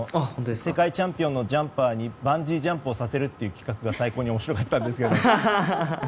世界チャンピオンのジャンパーにバンジージャンプをさせるという企画が最高に面白かったんですけど。